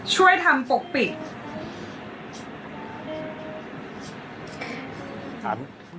ช่วยทำปกปิด